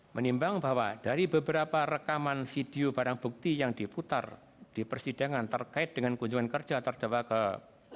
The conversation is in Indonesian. menimbang bahwa dari beberapa rekaman video barang bukti yang diputar di persidangan terkait dengan kunjungan kerja terdakwa ke persidangan